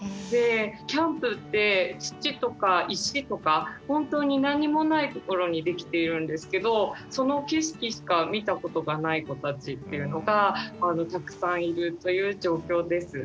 キャンプって土とか石とか本当に何もないところに出来ているんですけどその景色しか見たことがない子たちっていうのがたくさんいるという状況です。